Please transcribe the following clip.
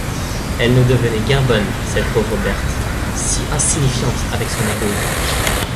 Elle ne devenait guère bonne, cette pauvre Berthe, si insignifiante, avec son nez rouge.